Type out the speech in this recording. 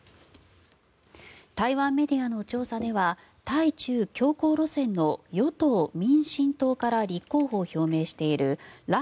台湾メディアの調査では対中強硬路線の与党・民進党から立候補を表明している頼